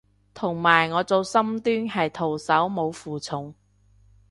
同埋我做深蹲係徒手冇負重